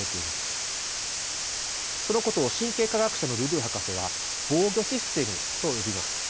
そのことを神経科学者のルドゥー博士は「防御システム」と呼びました。